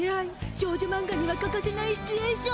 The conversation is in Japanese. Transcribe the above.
少女マンガにはかかせないシチュエーション。